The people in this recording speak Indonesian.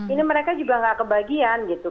ini mereka juga nggak kebagian gitu